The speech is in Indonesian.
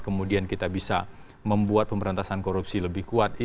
kemudian kita bisa membuat pemberantasan korupsi lebih kuat